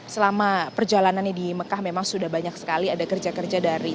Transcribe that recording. selama perjalanannya di mekah memang sudah banyak sekali ada kerja kerja